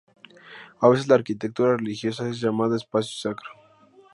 A veces la arquitectura religiosa es llamada espacio sacro.